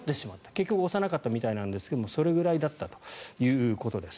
結局、押さなかったみたいですがそれくらいだったということです。